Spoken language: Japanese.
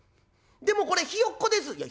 「でもこれひよっこです」。